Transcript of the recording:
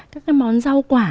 các cái món rau quả